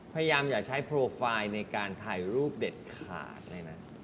อย่าใช้โปรไฟล์ในการถ่ายรูปเด็ดขาดเลยนะ